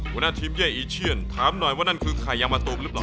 หัวหน้าทีมเย่อีเชียนถามหน่อยว่านั่นคือไข่ยางมะตูมหรือเปล่า